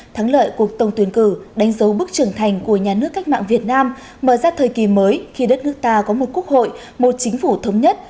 thắng lợi cuộc tổng tuyển cử đánh dấu bước trưởng thành của nhà nước cách mạng việt nam mở ra thời kỳ mới khi đất nước ta có một quốc hội một chính phủ thống nhất